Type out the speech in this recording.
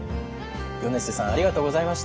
米瀬さんありがとうございました。